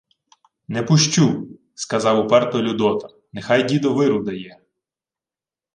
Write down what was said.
— Не пущу! — сказав уперто Людота. — Нехай дідо виру дає.